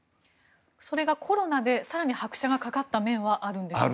それがコロナで更に拍車がかかった面はあるんですか。